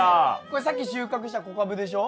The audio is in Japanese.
これさっき収穫した小カブでしょ？